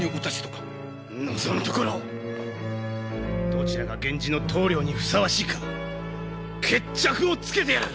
どちらが源氏の棟梁にふさわしいか決着をつけてやる！